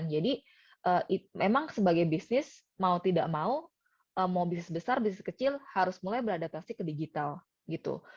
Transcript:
jadi memang sebagai bisnis mau tidak mau mau bisnis besar bisnis kecil harus mulai beradaptasi ke digital gitu